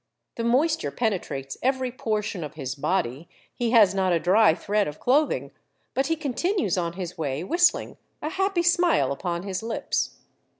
The moisture penetrates every portion of his body, he has not a dry thread of clothing, but he continues on his way whistling, a happy smile upon his lips.